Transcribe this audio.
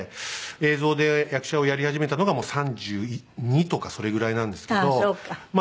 映像で役者をやり始めたのがもう３２とかそれぐらいなんですけどま